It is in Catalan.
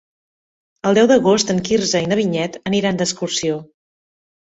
El deu d'agost en Quirze i na Vinyet aniran d'excursió.